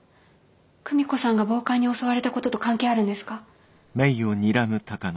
久美子さんが暴漢に襲われたことと関係あるんですか？